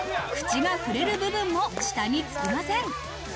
口が触れる部分も下につきません。